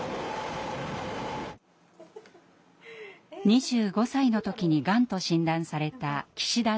２５歳の時にがんと診断された岸田徹さんです。